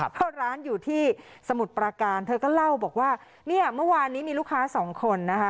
เข้าร้านอยู่ที่สมุทรปราการเธอก็เล่าบอกว่าเนี่ยเมื่อวานนี้มีลูกค้าสองคนนะคะ